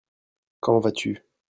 Quand vas-tu ?